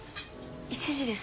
１時です。